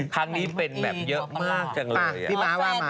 ครั้งนี้เป็นแบบเยอะมากจังเลย